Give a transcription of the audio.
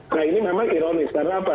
nah ini memang ironis karena apa